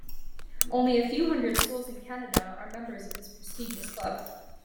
Only a few hundred schools in Canada are members of this prestigious club.